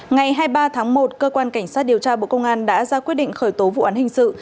ngày hai mươi ba tháng một cơ quan cảnh sát điều tra bộ công an đã ra quyết định khởi tố vụ án hình sự